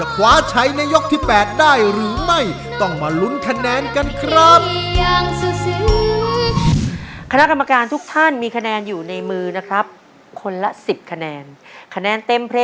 กองเชียรู้สึกยังไงกันบ้างครับ